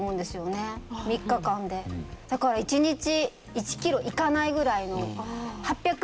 だから１日１キロいかないぐらいの。